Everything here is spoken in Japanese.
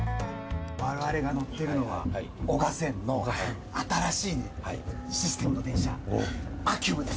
われわれが乗っているのは、男鹿線の新しいシステムの電車、アキュムです。